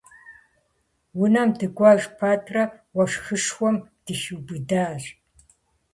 Унэм дыкӀуэж пэтрэ, уэшхышхуэм дыхиубыдащ.